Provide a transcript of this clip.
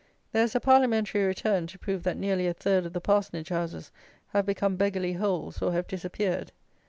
There is a parliamentary return, to prove that nearly a third of the parsonage houses have become beggarly holes or have disappeared.